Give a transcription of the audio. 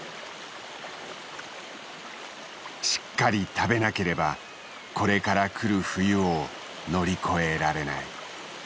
しっかり食べなければこれから来る冬を乗り越えられない。